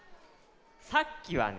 さっきはね